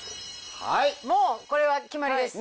もうこれは決まりです。